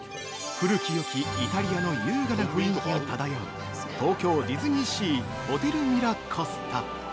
◆古きよきイタリアの優雅な雰囲気が漂う「東京ディズニーシー・ホテルミラコスタ」。